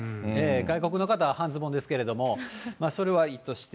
外国の方は半ズボンですけれども、それはいいとして。